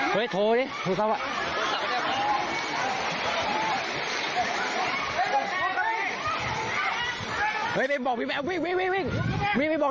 คุณผู้ชมไปดูคลิปนี้กันหน่อยค่ะ